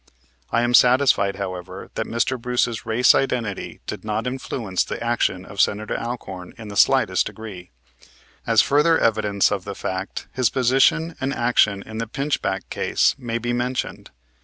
I am satisfied, however, that Mr. Bruce's race identity did not influence the action of Senator Alcorn in the slightest degree. As further evidence of that fact, his position and action in the Pinchback case may be mentioned.